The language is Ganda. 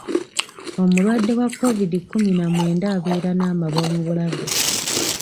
Omulwadde wa Kovidi kkumi na mwenda abeera n'amabwa mu bulago.